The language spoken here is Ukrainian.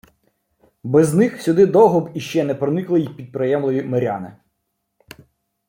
Без них сюди довго б іще не проникли й підприємливі миряни